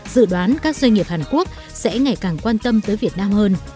dự đoán các doanh nghiệp hàn quốc sẽ ngày càng quan tâm tới việt nam hơn